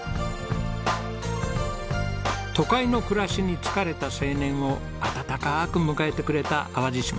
都会の暮らしに疲れた青年を温かく迎えてくれた淡路島。